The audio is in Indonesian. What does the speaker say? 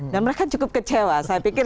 dan mereka cukup kecewa saya pikir